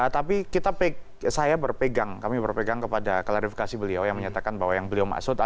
tapi saya berpegang kami berpegang kepada klarifikasi beliau yang menyatakan bahwa yang beliau maksud adalah